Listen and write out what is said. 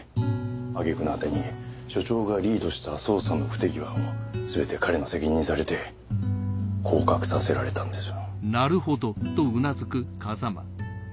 あげくの果てに署長がリードした捜査の不手際をすべて彼の責任にされて降格させられたんですよ。